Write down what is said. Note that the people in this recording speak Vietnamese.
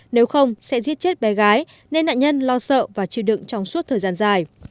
nếu không sẽ giết chết bé gái nên nạn nhân lo sợ và chịu đựng trong suốt thời gian dài